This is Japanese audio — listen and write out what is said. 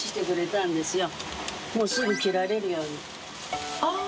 もうすぐ切れるようにあぁ。